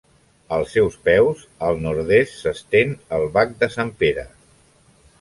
Als seus peus, al nord-est, s'estén el Bac de Sant Pere.